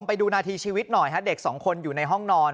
ไปดูนาทีชีวิตหน่อยฮะเด็กสองคนอยู่ในห้องนอน